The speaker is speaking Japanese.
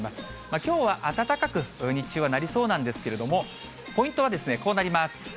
きょうは暖かく、日中はなりそうなんですけれども、ポイントはこうなります。